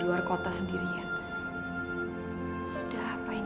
terima kasih ya sayang